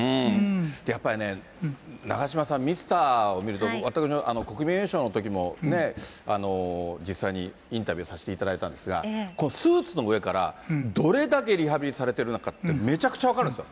やっぱりね、長嶋さん、ミスターを見ると、国民栄誉賞のときも、実際にインタビューさせていただいたんですが、スーツの上から、どれだけリハビリされてるのかって、めちゃくちゃ分かるんですよ。